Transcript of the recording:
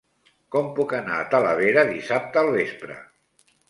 Com puc anar a Talavera dissabte al vespre?